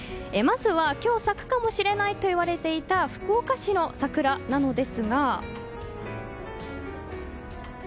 まずは今日咲くかもしれないといわれていた福岡市の桜なのですが。